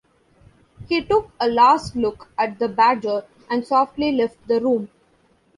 He took a last look at the badger and softly left the room.